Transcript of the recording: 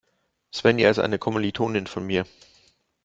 Svenja ist eine Kommilitonin von mir.